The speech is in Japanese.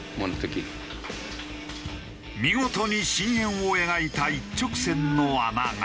見事に真円を描いた一直線の穴が。